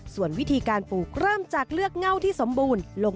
ส่วนวิธีการปลูกเริ่มจากเลือกเง่าที่สมบูรณ์ลง